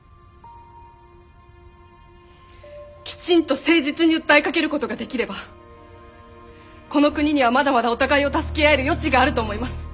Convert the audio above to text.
きちんと誠実に訴えかけることができればこの国にはまだまだお互いを助け合える余地があると思います。